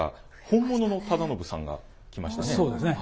本物の忠信さんが来ましたね。